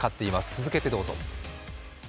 続けてどうぞ。